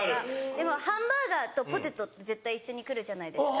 でもハンバーガーとポテトって絶対一緒に来るじゃないですか。